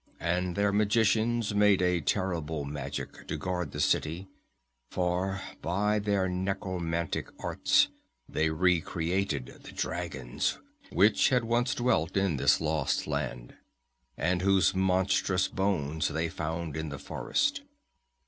And their magicians made a terrible magic to guard the city; for by their necromantic arts they re created the dragons which had once dwelt in this lost land, and whose monstrous bones they found in the forest.